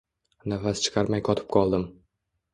Nafas chiqarmay qotib qoldim